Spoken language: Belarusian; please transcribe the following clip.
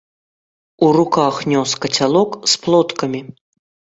У руках нёс кацялок з плоткамі.